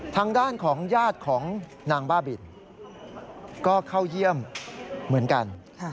ทางด้านของญาติของนางบ้าบินก็เข้าเยี่ยมเหมือนกัน